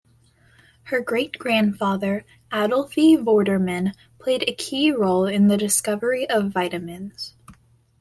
Her great-grandfather Adolphe Vorderman played a key role in the discovery of vitamins.